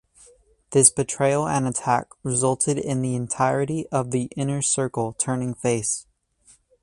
This betrayal and attack resulted in the entirety of The Inner Circle turning face.